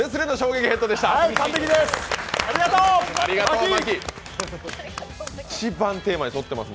完璧です。